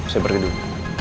saya pergi dulu